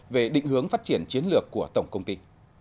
về định hướng phát triển chiến lược của tổng công ty